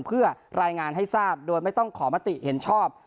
เพื่อรายงานให้ทราบโดยไม่ต้องขอมติเห็นชอบ